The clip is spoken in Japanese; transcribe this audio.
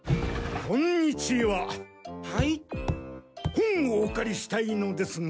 本をお借りしたいのですが。